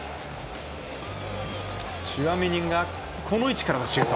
チュアメニがこの位置からのシュート。